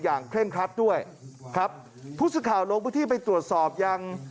อย่างเคร่งครัดด้วยครับพุศข่าวโลกพิธีไปตรวจสอบยัง